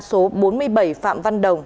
số bốn mươi bảy phạm văn đồng